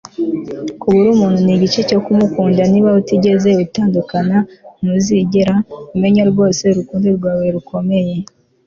kubura umuntu ni igice cyo kumukunda niba utigeze utandukana, ntuzigera umenya rwose urukundo rwawe rukomeye